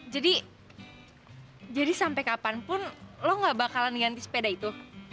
jadi jadi sampai kapanpun lo nggak bakalan ganti sepeda itu